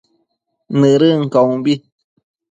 Nëdën caumbi